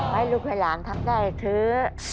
ไม่รู้ในหลังทักใจคือ